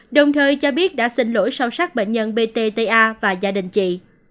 đồng thời cho biết đã xin lỗi sau sát bệnh nhân pt ta và gia đình chị